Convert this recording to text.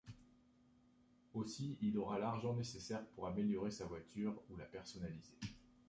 Ainsi il aura l'argent nécessaire pour améliorer sa voiture ou la personnaliser.